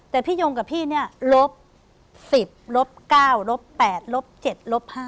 แต่พี่ยงกับพี่เนี่ยลบ๑๐ลบ๙ลบ๘ลบ๗ลบ๕